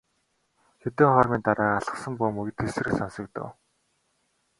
Хэдэн хормын дараа алсхан бөмбөг тэсрэх сонсогдов.